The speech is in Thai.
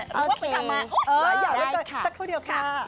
ได้ค่ะ